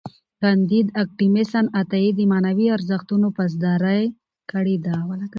کانديد اکاډميسن عطایي د معنوي ارزښتونو پاسداري کړې ده.